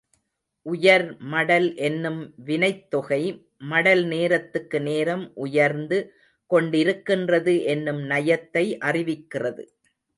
உயர் மடல் என்னும் வினைத்தொகை, மடல் நேரத்துக்கு நேரம் உயர்ந்து கொண்டிருக்கின்றது என்னும் நயத்தை அறிவிக்கிறது.